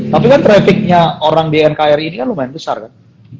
tapi kan trafficnya orang di nkri ini kan lumayan besar kan